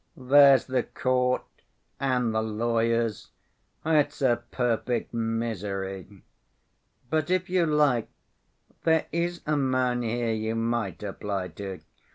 "There's the court, and the lawyers—it's a perfect misery. But if you like, there is a man here you might apply to."